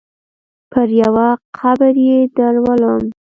پر يوه قبر يې ودرولم.